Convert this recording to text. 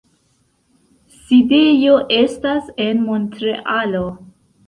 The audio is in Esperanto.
Sidejo estas en Montrealo.